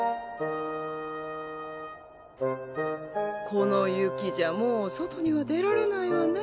この雪じゃもう外には出られないわね。